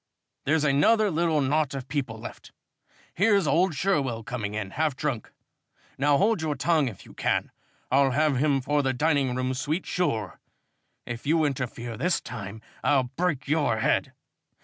"There's another little knot of people left. Here's old Sherwell coming in, half drunk. Now hold your tongue if you can. I'll have him for the dining room suite, sure. If you interfere this time, I'll break your head.